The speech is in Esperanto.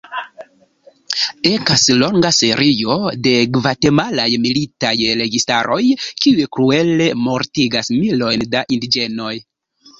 Ekas longa serio de gvatemalaj militaj registaroj, kiuj kruele mortigas milojn da indiĝenoj.